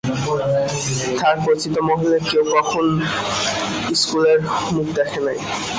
তাহার পরিচিত মহলে কেউ কখনও স্কুলের মুখ দেখে নাই।